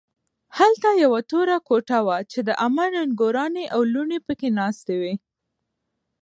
هلته یوه توره کوټه وه چې د عمه نګورانې او لوڼې پکې ناستې وې